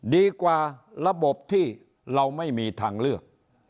ดีกว่าระบบที่เราไม่มีทางเลือก